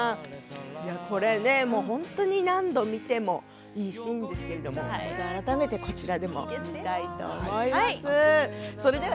これ本当に何度見てもいいシーンですけれど改めて、こちらでも見たいと思います。